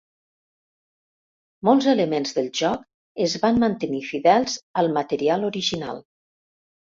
Molts elements del joc es van mantenir fidels al material original.